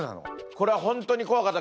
これは本当に怖かった。